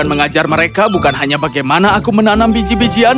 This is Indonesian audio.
dan mengajar mereka bukan hanya bagaimana aku menanam biji bijian